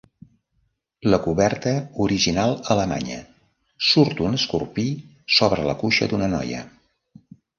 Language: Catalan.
La coberta original alemanya surt un escorpí sobre la cuixa d'una noia.